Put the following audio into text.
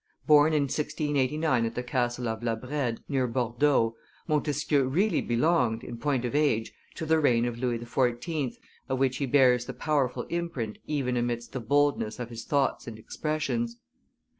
Born in 1689 at the castle of La Brede, near Bordeaux, Montesquieu really belonged, in point of age, to the reign of Louis XIV., of which he bears the powerful imprint even amidst the boldness of his thoughts and expressions.